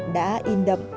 đã in đậm